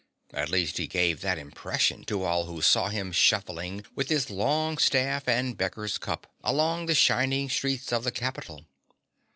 At least, he gave that impression to all who saw him shuffling with his long staff and beggar's cup along the shining streets of the capital.